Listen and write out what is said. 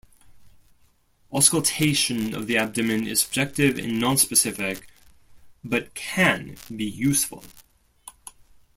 Auscultation of the abdomen is subjective and non-specific, but can be useful.